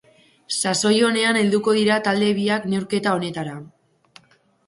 Sasoi onean helduko dira talde biak neurketa honetara.